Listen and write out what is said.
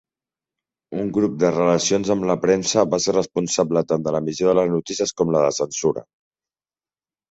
Un grup de "Relacions amb la premsa" va ser responsable tant de l'emissió de les notícies com de la censura.